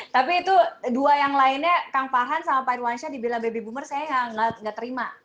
tapi itu dua yang lainnya kang farhan sama pak irwansyah dibilang baby boomer saya nggak terima